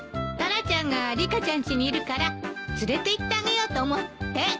タラちゃんがリカちゃんちにいるから連れていってあげようと思って。